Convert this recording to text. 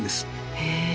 へえ。